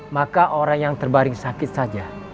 maka orang yang terbaring sakit saja